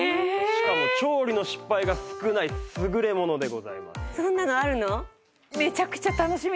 しかも調理の失敗が少ない優れものでございます。